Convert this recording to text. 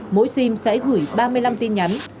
mỗi sim sẽ gửi ba mươi năm tin nhắn